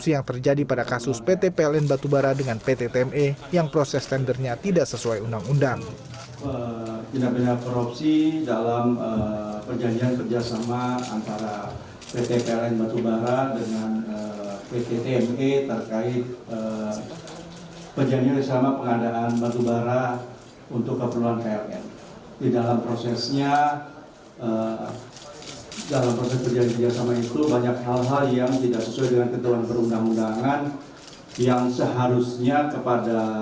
sebesar rp empat ratus tujuh puluh tujuh miliar lebih yang sebelumnya telah disetorkan kekas negara melalui jaksa negara